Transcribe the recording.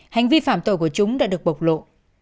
hành vi phạm tội của chúng đã được bộc lộ